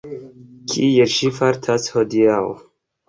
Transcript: Kiel ŝi fartas hodiaŭ?